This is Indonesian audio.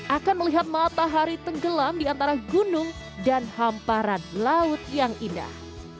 akan melihat matahari tenggelam di antara gunung dan hamparan laut yang indah